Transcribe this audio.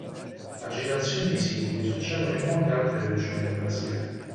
Agitazioni simili succedono in molte altre regioni del Brasile.